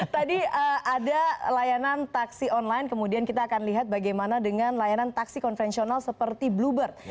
tadi ada layanan taksi online kemudian kita akan lihat bagaimana dengan layanan taksi konvensional seperti bluebird